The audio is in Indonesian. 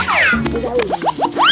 tidak ada apaan